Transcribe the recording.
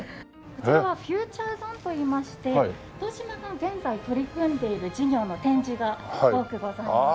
こちらはフューチャーゾーンといいまして東芝が現在取り組んでいる事業の展示が多くございます。